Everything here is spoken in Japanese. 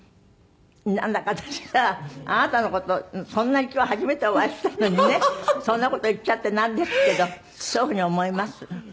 なんだか私さあなたの事そんなに今日初めてお会いしたのにねそんな事言っちゃってなんですけどそういうふうに思います。